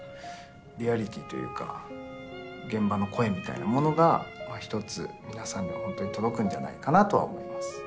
リアリティーというか現場の声みたいなものが一つ皆さんにホントに届くんではないかなとは思います。